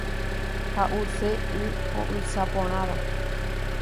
Ha’use y ho’ysã porãva.